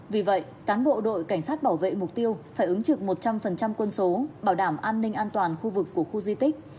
vì vậy cán bộ đội cảnh sát bảo vệ mục tiêu phải ứng trực một trăm linh quân số bảo đảm an ninh an toàn khu vực của khu di tích